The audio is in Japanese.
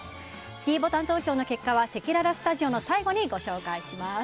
ｄボタン投票の結果はせきららスタジオの最後にご紹介します。